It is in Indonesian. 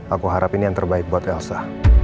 aku harap ini yang terbaik buat elsa